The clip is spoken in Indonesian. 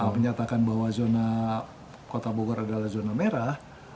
menyatakan bahwa zona kota bogor adalah zona merah